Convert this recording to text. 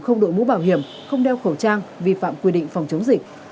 không đội mũ bảo hiểm không đeo khẩu trang vi phạm quy định phòng chống dịch